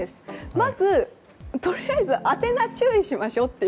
まず、とりあえず宛名に注意しましょうと。